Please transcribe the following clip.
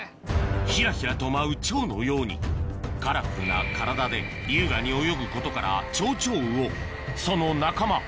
ひらひらと舞うチョウのようにカラフルな体で優雅に泳ぐことからチョウチョウウオその仲間